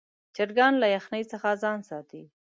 چرګان له یخنۍ څخه ځان ساتي.